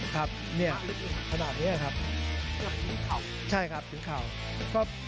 ครับเนี่ยขนาดเนี้ยครับถึงเข่าใช่ครับถึงเข่าก็